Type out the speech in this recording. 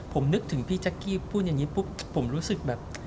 ผมนึกถึงพี่แจ๊กกี้พูดอย่างนี้ปุ๊บผมรู้สึกแบบ